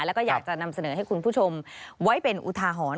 แล้วก็อยากจะนำเสนอให้คุณผู้ชมไว้เป็นอุทาหรณ์